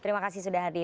terima kasih sudah hadir